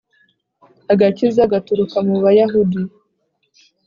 Agakiza gaturuka mu bayahudi